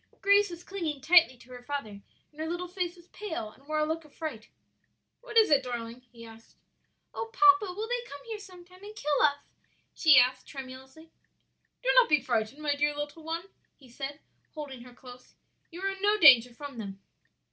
Grace was clinging tightly to her father, and her little face was pale and wore a look of fright. "What is it, darling?" he asked. "O papa, will they come here some time and kill us?" she asked, tremulously. "Do not be frightened, my dear little one," he said, holding her close; "you are in no danger from them."